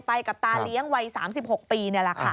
ไปกับตาเลี้ยงวัย๓๖ปีนี่แหละค่ะ